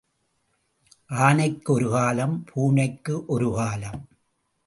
ஆனைக்கு ஒரு காலம் பூனைக்கு ஒரு காலம்.